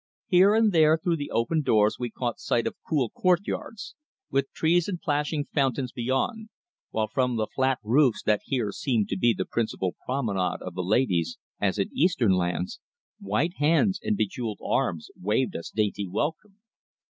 Here and there through the open doors we caught sight of cool courtyards, with trees and plashing fountains beyond, while from the flat roofs that here seemed to be the principal promenade of the ladies, as in Eastern lands, white hands and bejewelled arms waved us dainty welcome.